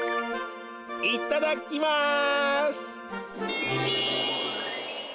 いただきます！